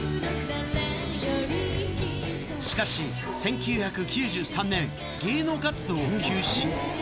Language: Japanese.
しかし、１９９３年、芸能活動を休止。